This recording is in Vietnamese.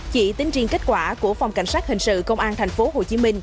chỉ tính riêng kết quả của phòng cảnh sát hình sự công an tp hcm